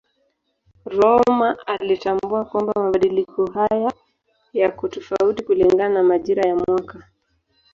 Rømer alitambua kwamba mabadiliko haya yako tofauti kulingana na majira ya mwaka.